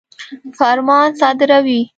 فرمان صادروي.